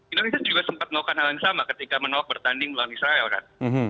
indonesia juga sempat melakukan hal yang sama ketika menolak bertanding melawan israel kan